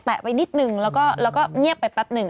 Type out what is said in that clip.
แตะไว้นิดหนึ่งแล้วก็เงียบไปปั๊บหนึ่ง